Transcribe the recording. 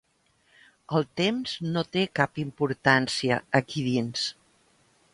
El temps no té cap importància, aquí dins.